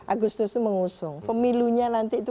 agustus mengusung pemilunya nanti itu